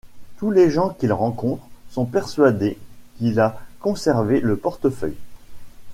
Tous les gens qu’il rencontre sont persuadés qu’il a conservé le portefeuille.